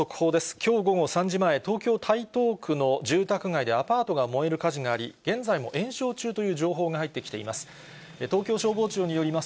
きょう午後３時前、東京・台東区の住宅街で、アパートが燃える火事があり、現在も延焼中という情報が入ってきています。